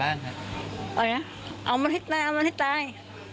อะไรนะเอามันให้ตายเอามันให้ตาย